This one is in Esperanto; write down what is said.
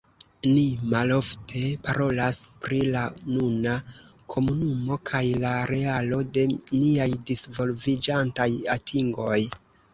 Ni malofte parolas pri la nuna komunumo kaj la realo de niaj disvolviĝantaj atingoj.